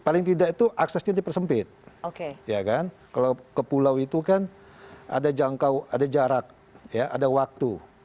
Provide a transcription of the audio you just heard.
ya paling tidak itu aksesnya dipersempit oke ya kan kalau ke pulau itu kan ada jarak ada waktu